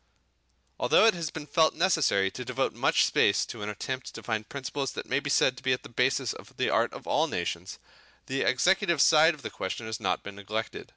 Although it has been felt necessary to devote much space to an attempt to find principles that may be said to be at the basis of the art of all nations, the executive side of the question has not been neglected.